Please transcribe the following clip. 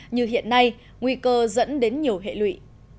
như hiện nay nguy cơ dẫn đến nhiều hệ lụy